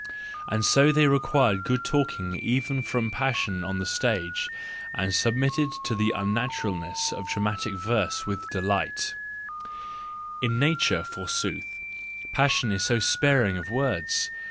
And so they required good talking even from passion on the stage, and submitted to the unnaturalness of dramatic verse with delight: —in nature, forsooth, passion is so sparing of words